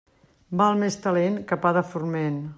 Val més talent que pa de forment.